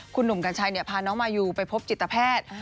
คุณหนุ่มกัญชัยพาน้องมายูไปพบจิตแพทย์